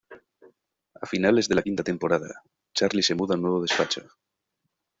A finales de la quinta temporada, Charlie se muda a un nuevo despacho.